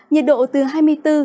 nhiệt độ từ hai mươi bốn